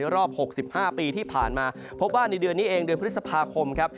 รอบ๖๕ปีที่ผ่านมาพบว่าในเดือนนี้เองเดือนพฤษภาคมครับ